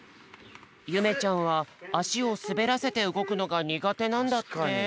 ゆめちゃんはあしをすべらせてうごくのがにがてなんだって。